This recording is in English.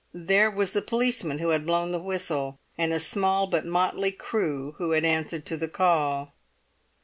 There was the policeman who had blown the whistle, and a small but motley crew who had answered to the call.